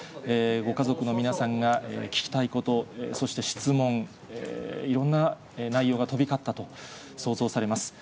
ご家族の皆さんが聞きたいこと、そして質問、いろんな内容が飛び交ったと想像されます。